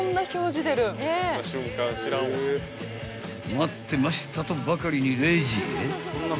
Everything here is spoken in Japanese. ［待ってましたとばかりにレジへ］